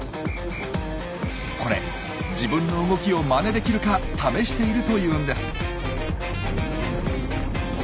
これ自分の動きをまねできるか試しているというんです。